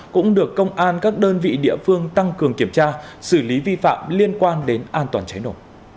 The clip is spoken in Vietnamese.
cũng được công an các đơn vị địa phương tăng cường kiểm tra xử lý vi phạm liên quan đến an toàn cháy nổ